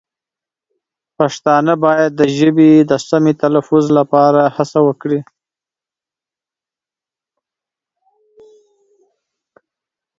پښتانه باید د ژبې د سمې تلفظ لپاره هڅه وکړي.